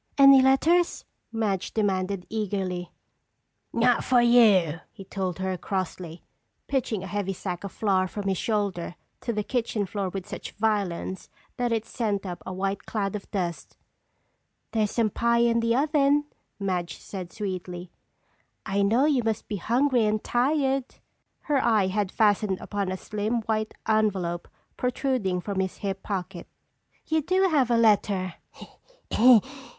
"Any letters?" Madge demanded eagerly. "Not for you," he told her crossly, pitching a heavy sack of flour from his shoulder to the kitchen floor with such violence that it sent up a white cloud of dust. "There's some pie in the oven," Madge said sweetly. "I know you must be hungry and tired." Her eye had fastened upon a slim, white envelope protruding from his hip pocket. "You do have a letter!"